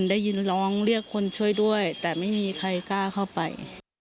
ได้ยินร้องเรียกคนช่วยด้วยแต่ไม่มีใครกล้าเข้าไป